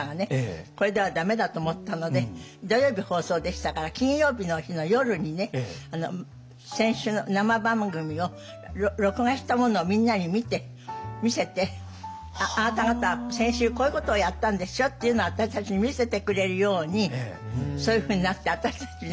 これではダメだと思ったので土曜日放送でしたから金曜日の日の夜に先週の生番組を録画したものをみんなに見せて「あなた方は先週こういうことをやったんですよ」っていうのを私たちに見せてくれるようにそういうふうになって私たちね